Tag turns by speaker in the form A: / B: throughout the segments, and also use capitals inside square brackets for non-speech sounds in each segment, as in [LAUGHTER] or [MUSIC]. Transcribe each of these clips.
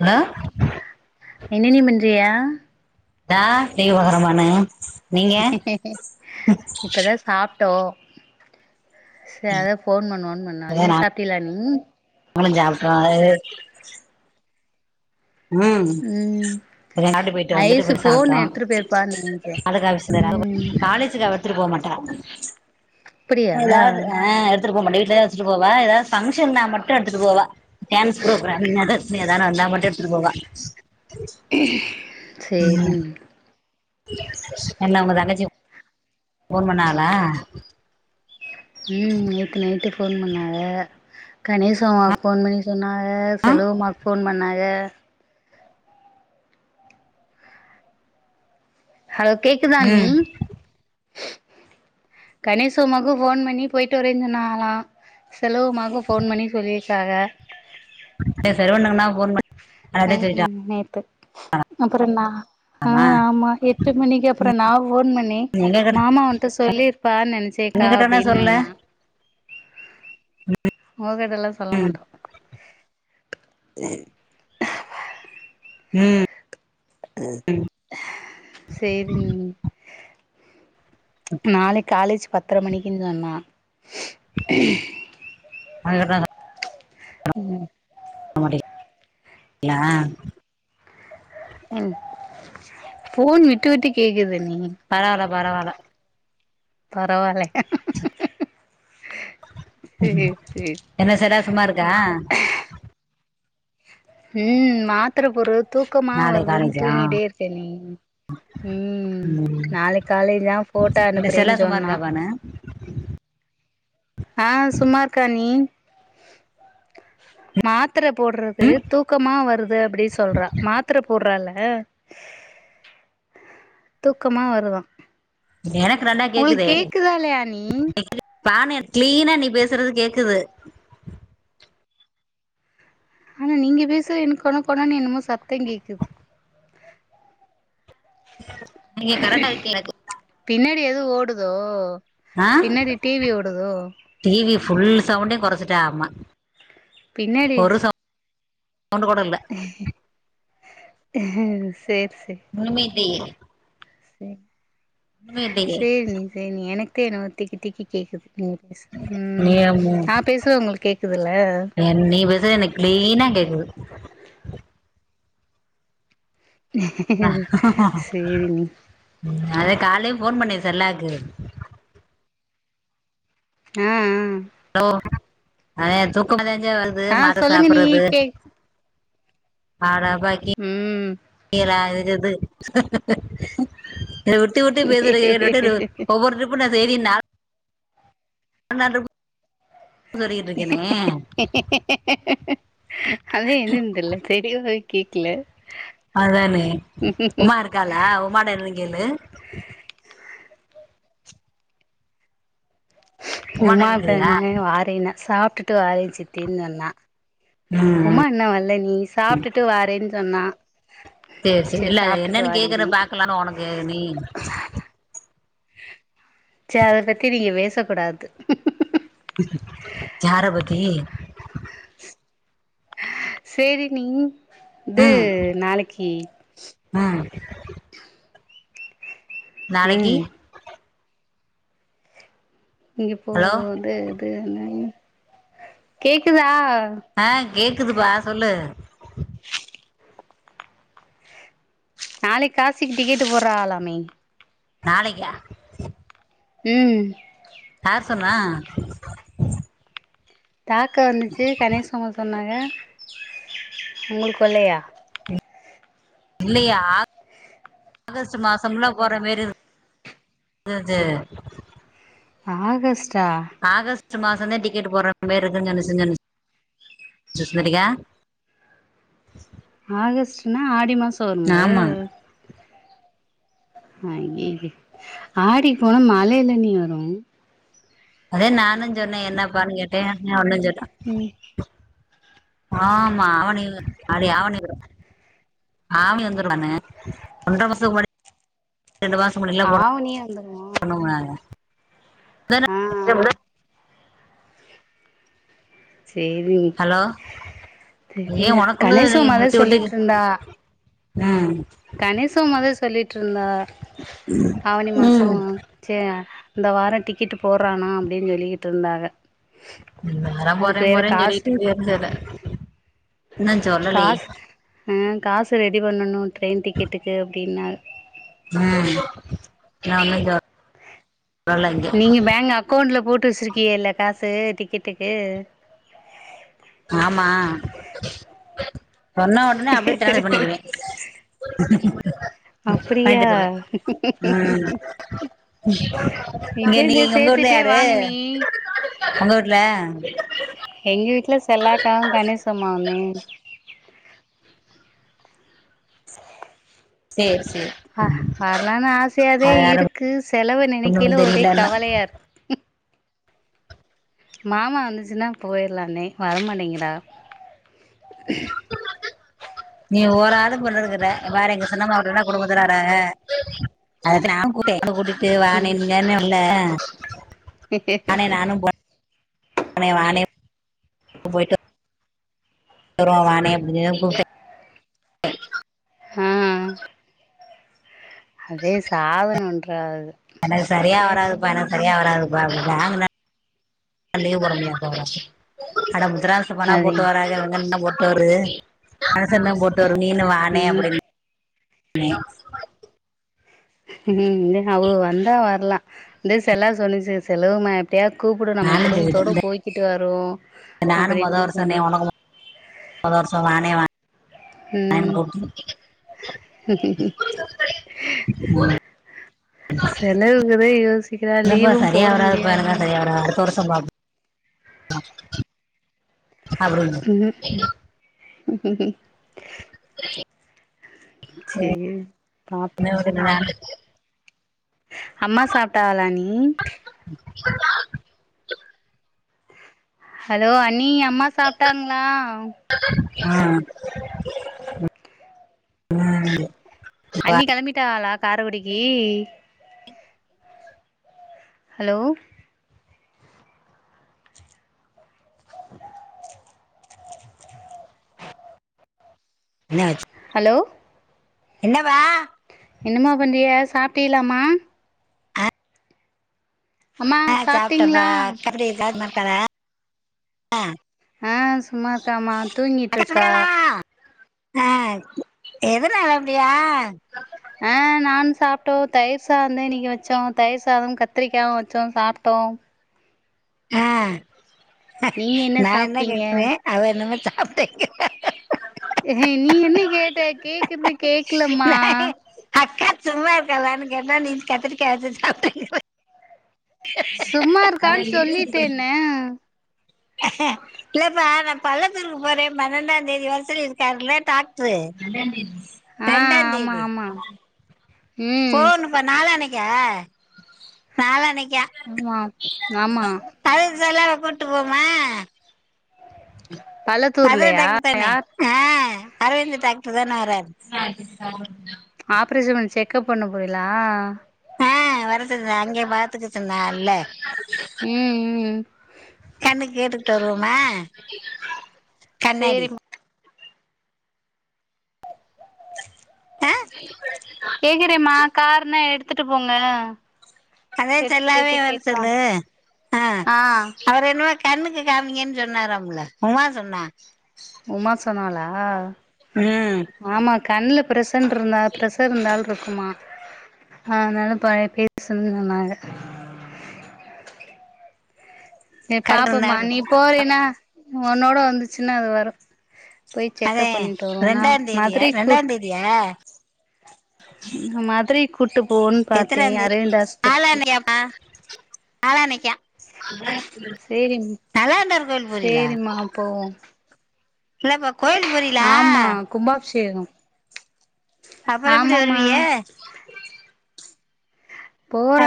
A: Hello
B: என்னனீ பன்றியா
A: தா [UNINTELLIGIBLE]
B: இப்பதா சாப்ட்டோ சே அதா ஃபோன் பண்ணுவோன் பண்ணோ நீங்க சாப்டியலா அண்ணீ
A: முடிஞ்ச அப்றோ இது ம்
B: ம்
A: நகட்டு போய்ட்டு வந்துட்டு
B: ஐசு
A: போய்
B: ஃபோன்
A: சாப்ட்டோ
B: எடுத்துட்டு போயிருப்பான்னு நெனச்சே
A: [UNINTELLIGIBLE]
B: ம்
A: காலேஜுக் அவ எத்துட்டு போ மாட்டா
B: அப்படியா
A: அவளாது ஆ எடுத்துட்டு போ மாட்டா வீட்ல தா வச்சுட்டு போவா எதா ஃபங்ஷன்னா மட்டு எடுத்துட்டு போவா டேன்ஸ் ப்ரோக்ராம் நெதர்ஸ்னு எதானு வந்தா மட்டு எடுத்துட்டு போவா
B: சேரி
A: என்ன உங்க தங்கச்சி ஃபோன் பண்ணாங்களா?
B: ம் நேத்து நைட்டு ஃபோன் பண்ணாக கணேசமாக் ஃபோன் பண்ணி சொன்னா ஆ செல்லுவமாக் ஃபோன் பண்ணாக ஹலோ கேக்குதாண்ணீ
A: ம்
B: கணேச உம்மாக்கு ஃபோன் பண்ணி போயிட்டு வரே சொன்னாகளா செல்லுவமாக்கு ஃபோன் பண்ணி சொல்லியிருக்காக
A: ஏ செல்வன்னக்கு நா ஃபோன் ப
B: அ ய நேத்து அப்புறொ நா அ ஆமா எ ட்டு மணிக்கப்றொ நா ஃபோன் பண்ணி
A: எங்க கிட்ட
B: மாமா ஒன்ட்ட சொல்லியிருப்பா
A: எங்க
B: நெனச்சேக்கா
A: கிட்டனா
B: அப்டின்
A: சொல்ல
B: சொன்னா ஓகட்டல்லா சொல்ல மாட்டொ
A: ம்
B: சேரிங்க நாளைக் காலேஜ் பத்ர மணிக்கின் சொன்னா
A: [UNINTELLIGIBLE]
B: ம் ம்
A: [INAUDIBLE] யா‌
B: ம் ஃபோன் விட்டு விட்டு கேக்குதண்ணீ
A: பரவால்ல பரவால்ல
B: பரவால்லயா சேர் சேர்
A: என்ன சடா சும்மாருக்கா
B: ம் மாத்திர போர்றது தூக்கமா
A: நாளை
B: வருதுன்
A: காலேஜா
B: தூங்கிட்டே இருக்கேன்ணீ ம் நாளைக் காலை தா ஃபோட்டோ அனுப்புறேன் சொன்னா
A: அன
B: ஆ சும்மா இருக்காண்ணீ மாத்திர போட்ற து
A: ம்
B: தூக்கமா வருது அப்பிடி சொல்றா மாத் திர போர்றால்ல தூக்கமா வருதா
A: எனக்கு நல்லா
B: உங்களுக் கேக்குதா இல்லயா நீ
A: பான கிளீனா நீ பேசுறது கேக்குது
B: ஆனா நீங்க பேசுற எனக்கு கொன கொனான்னு என்னமோ சத்த கேக்குது
A: நீங்க கரெக்டா இருக்கு எனக்கு
B: பின்னாடி எதுவு ஓடுதோ பின்னாடி டீவி ஓடுதோ
A: டீவி புுல் சவுண்டையு கொறச்சட்டா ஆமா
B: பின்னாடி
A: ஒரு சவு ஒன்னு கூட இல்ல
B: சேரி சே
A: ஒன்னுமே இல்லையே
B: சே
A: ஒண்ணுமே இல்லையே
B: சேரி நீ சே நீ எனக்கே என்னவோ திக்கி திக்கி கேக்குது நீங்க பேசு ம்
A: நீ
B: நா பேசுறது உங்களுக்கு கேக்குதுல
A: என் நீ பேச எனக் கிளீனா கேக்குது
B: சேரிணி
A: அது காலையே ஃபோன் பண்ணே சரலாக்கு
B: ஆ ஆ
A: ஹலோ அது தூக்கமா தாங்க வருது
B: ஆ
A: மாத்ர
B: சொல்லுங்கணி
A: சாப்புறது
B: கேக்
A: ஆற பை
B: ம்
A: இராகுது சரி வுட் வுட்டு வுட்டு பேசுரியே ரொடிறு ஒவ்வொரு டிருப்பு நா சேரி நா என்னாதுக்கு
B: அதா என்னன் தெர்ல தெரியு போய் கேக்குல
A: அதானே உமா இருக்காளா உமாட என்னு கேளு உமாட்ட
B: உமா
A: கேக்குறியா
B: தான வாரேனா சாப்டுட்டு வாரே சித்தின் சொன்னா
A: ம் ம்.
B: உமா என்ன வர்ல நீ சாப்டுட்டு வாறேன் சொன்னா
A: சேரி சேரி இல்ல அத
B: சாப்ட்டுட்டு
A: என்னன்னு கேக்குற
B: வாடின்னே
A: பாக்கலானு ஒனக்கு நீ
B: ச அத பத்தி நீங்க பேச கூடாது
A: யார பத்தி
B: சேரி நீ து நாளைக்கி
A: ஆ நாளைக்கி
B: ம் இப்போ
A: ஹலோ
B: து து இன்னங் கேக்குதா
A: ஆ கேக்குதுப்பா சொல்லு
B: நாளைக்கு காசிக்கு டிக்கெட்டு் போட்றாலாமே
A: நாளைக்கா
B: ம்
A: யார் சொன்னா
B: தாக்க வந்துச்சு கணேஸ் அம்மா சொன்னாங்க உங்களுக்கு சொல்லையா
A: இல்லையே ஆகஸ்ட்டு மாசம்னா போற மாரி இரு க்குது
B: ஆகஸ்டா
A: ஆகஸ்ட்டு மாசதா டிக்கெட் போடுற மாரிக்குனு கணேஷ் சொன் [UNINTELLIGIBLE]
B: ஆகஸ்ட்ன்னா ஆடி மாச வருல
A: ஆமா
B: அய்யய்ய ஆடி போனா மழைல நீ வரு
A: அதே நானு சொன்னே என்னப்பானு கேட்டே ஒன்னு சொடா
B: ம்
A: ஆமா அவனில் அடி அவனில் ஆவனி வந்துரு தான ஒன்ற மாசத்துக்கு முன்னாடி ரெண்டு மா
B: ஆவணியே வந்துருமா
A: னுங்க
B: ஆ ஆ சேரி
A: ஹலோ ஏ
B: தெரியல கணேஸு
A: உனக்குள்ளது
B: அம்மாதா
A: விட்டு விட்டு
B: சொல்லிட்ருந்தா
A: ம்
B: கணேஷு அம்மாதா சொல்லிட்ருந்தா ஆவணி மாசோ
A: ம்
B: சே இந்த வார டிக்கெட்டு போட்றானா அப்டின் சொல்லிக்கிட் இருந்தாக
A: [UNINTELLIGIBLE]
B: அதுக்கு
A: போறேன்
B: வேற
A: போறேன்
B: காசு
A: சொல்லிட்டு [UNINTELLIGIBLE] இன்னு சொல்லலயே
B: காஸ் ஆ காசு ரெடி பண்ணணு ட்ரெயின் டிக்கெட்டுக்கு அப்டின்னாக
A: ம் நாமைஞ்சா
B: நீங்க பேங்கு அக்கோண்டுல போட்டு வச்சுருக்கீகல்ல காசு டிக்கெட்டுக்கு
A: ஆமா சொன்னா ஒன்னே அப்டியே டானர் பண்ணிருவே
B: அப்டியா
A: பயந்துடுருவே ம்
B: இப்ப
A: இங்க
B: இருந்தே
A: நீங்க ஒங்க ஊர்ல
B: சேத்துட்டே
A: யாரு
B: வாங்க நீ
A: ஒங்க ஊர்ல
B: எங்க வீட்ல செல்லாக்காவு கணேசம்மாவுந்தே
A: சேர்
B: ஹ வரலான் ஆசயாதே
A: வேற
B: இருக்கு செலவ
A: ஒன்னும்
B: நெனைக்கேல ஒரே
A: தெரியல இன்னு
B: கவலையா இருக் மாமா வந்துச்சுன்னா போயிறலாந்தே வரமாட்டிங்கிறாக
A: நீ ஓராது பண்ணிருக்கிற பாரே எங்க சின்னம்மா [UNINTELLIGIBLE] குடும்பத்துராறாங்க அதுக்கு நா கூட்டே வந்து கூட்டிட்டு வாணே இங்கன்னு இல்ல அண்ணே நானு போ அண்ணே வாணே போய்ட்டு தறோ வாணே அப்டின் சொல்லி தா கூப்டே
B: ஆ அதே சாதன பண்றாக
A: எனக்கு சரியா வராது பா எனக்கு சரியா வராது வ வாங்குனா லீவ் போட முடியாம போய்ரு அட முத்துராச போனா
B: அதே
A: போட்டுவராக எங்கண்ணன்தா போட்டுவருது அரசன்னா போட் தோரு நீனு வாணே
B: ம்
A: அப்புடின் சொன்னே
B: ம் அவுக வந்தா வரலா இந்தா செலவு சொன்னுச்சு செலவுமாய் டயா கூப்புட நம்ம
A: நானு
B: குடும்பத்தோடு
A: சொல்லிட்டே
B: போய்கிட்டு வருவோ
A: நானு மொத
B: அப்படின்னு
A: வருஷந்தே
B: சொன்னுச்சு
A: ஒனக்கு மொத வருஷோ நானே வாங் டைம்
B: ம்
A: போட்டி ம்
B: செலவுக்குதே யோசி
A: இல்லப்பா சரியா வராதுபா எனக்கலா சரியா வராது அடுத்த வருஷோ பாப்போ அப்படின்னு
B: ம்ம்
A: சேர்
B: சேரி பாப்
A: இன்னோகு சென்டு வாரே
B: அம்மா சாப்ட்டாகலா அண்ணி
A: [INAUDIBLE]
B: ஹலோ அண்ணி அம்மா சாப்டாங்லா
A: ஆ
B: அண்ணி கெளம்பிட்டாகளா காரகுடிக்கி ஹலோ
A: என்ன ஆச்
B: ஹலோ
A: என்னவா
B: என்னமா பண்றிக சாப்டீலாமா அம்மா
A: ஆ சாப்ட்டப்பா
B: சாப்ட்டீங்களா
A: கபடி இல்ல க்காலா
B: ஆ சும்மா இக்காமா
A: அக்கா
B: தூங்கிட்ருக்கா
A: சுமங்கலா, ஆ எதுனால அப்படியா
B: ஆ நான் சாப்டோ தயிர் சா த இன்னிக்கு வச்சோ தயிர் சாதம் கத்திரிக்காவு வச்சோம் சாப்ட்டோம்
A: ஆ
B: நீங்க
A: நா என்ன
B: சாப்ட்டீங்க
A: கேக்குறே அவ என்னமோ சாப்ட்டங்கிறா
B: நீ என்ன கேட்ட கேக்குற்து கேக்கலம்மா
A: நான் அக்கா சும்மா இருக்காலானு கேட்டா நீ கத்திரிக்கா வச்சு சாப்டேங்குற
B: சும்மா இருக்கான் சொல்லிட்டேன
A: ஆ இல்லப்பா நா பள்ளத்தூருக்கு போறே பண்னெண்டா தேதி வர சொல்லிருக்கார்ல டாக்ட்ரு
B: ஆ
A: ரெண்டா
B: ஆமா
A: தேதி
B: ஆமா ம்
A: போணுப்ப நாலானைக்கா நாலனைக்கா
B: ஆமா நாமா
A: பல செல்லா கூட்டு போமா மதுரை
B: பள்ளத்தூர்லயா
A: டாக்டர் தானே
B: யார்
A: ஆ அரவிந்து டாக்ட்ரு தானே வரார்
B: ஆப்ரேஷன் செக்கப் பண்ண போரிலா
A: ஆ வரதுக்குதா அங்கையே பாத்துக்க சொன்னார்ல
B: ம் ம் ம்
A: கண்ணுக் கேட்டுட் வருவோமா கண்ணாடி
B: சேரிம்மா
A: [INAUDIBLE]
B: கேக்குறேம்மா காருன எடுத்துட்டு போங்க
A: அதே
B: எடுத்துட்டு
A: செல்லாவே
B: போயிட்டு
A: வர
B: கேட்டு வாங்க
A: சொல்லு ஆ அவரு என்னமோ கண்ணுக்கு காமிங்கன் சொன்னாராம்ல உமா சொன்னா
B: உமா சொன்னாலா
A: ம்
B: ஆமா கண்ல ப்ரெஷன்ருந்தா ப்ரெஷர் இருந்தால்ருக்குமா ஆ அதனால பழைய பேர் சொன்னாங்க சேர்
A: கடத்திருந்தா
B: பாப்போம்மா நீ போறீனா ஒன்னோட வந்துச்சுன்னா அது வரு போய்
A: அதே
B: செக்கப் பண்ணிட்டு வருவோன் னா மதுரை கூட்டு
A: யா
B: [INAUDIBLE] ம் மதுரைக் கூட்டு போன் பாத்தே
A: எத்தனாம் தேதி
B: அரவிந்தாஸ்பத்திரி
A: நாளானைக்கா
B: சேரி
A: நல்லாண்டவர் கோவில்க் போரிலா
B: சேரிம்மா போவோ
A: இல்ல இப்ப கோயிலுக் போரி
B: ஆமா கும்பாப்ஷேகோ
A: அப்பறோ எப்படி வருவிகா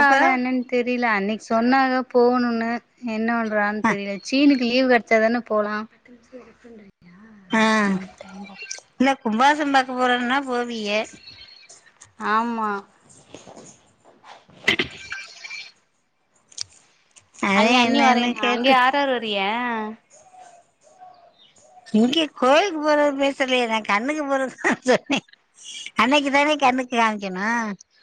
A: அப்புறம்
B: தெரில அன்னைக் சொன்னாக போணுனு என்ன பன் றான்
A: ஆ
B: தெரில சீனிக்கி லீவ் கெடச்ச தானே போலா
A: ஆ
B: [UNINTELLIGIBLE] ம் டைம் ஆவு
A: இல்ல கும்பாசோ பாக்க போறன்னா போவியே
B: ஆமா
A: தெர்டி
B: அங்க அண்ணி
A: என்னன்னு
B: வரேனா அங்கே
A: கேட்டு
B: யார்யார் வரிகியா
A: இங்கே கோயிலுக்கு போறது பேசலயே நா கண்ணுக்கு போறதுதா சொன்னே அன்னைக்கு தானே கண்ணுக்கு காமிக்கணு